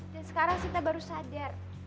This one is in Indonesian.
dan sekarang sinta baru sadar